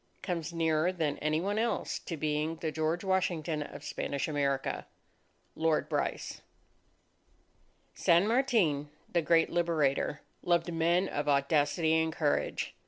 comes nearer than any one else to being the George Washington of Spanish America._ LORD BRYCE San Martin, the great Liberator, loved men of audacity and courage.